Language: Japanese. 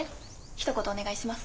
ひと言お願いします。